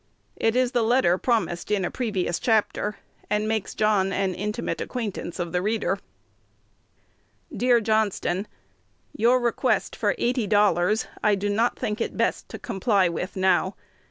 It is the letter promised in a previous chapter, and makes John an intimate acquaintance of the reader: Dear Johnston, Your request for eighty dollars, I do not think it best to comply with now.